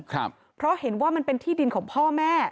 เพราะเห็นว่ามันเป็นที่ดินของพ่อแม่